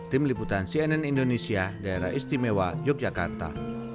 tim liputan cnn indonesia daerah istimewa yogyakarta